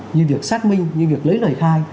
như việc xác minh như việc lấy lời khai